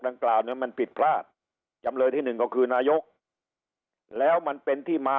ดังกล่าวเนี่ยมันผิดพลาดจำเลยที่หนึ่งก็คือนายกแล้วมันเป็นที่มา